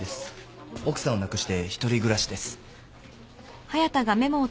奥さんを亡くして１人暮らしです。